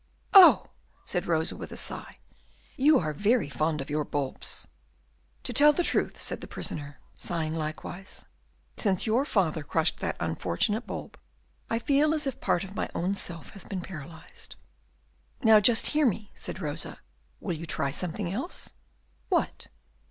"Oh!" said Rosa, with a sigh, "you are very fond of your bulbs." "To tell the truth," said the prisoner, sighing likewise, "since your father crushed that unfortunate bulb, I feel as if part of my own self had been paralyzed." "Now just hear me," said Rosa; "will you try something else?" "What?"